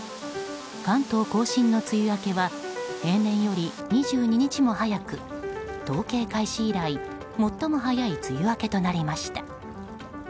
関東・甲信の梅雨明けは平年より２２日も早く統計開始以来最も早い梅雨明けとなりました。